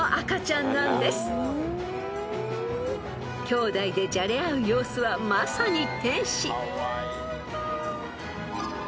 ［きょうだいでじゃれ合う様子はまさに］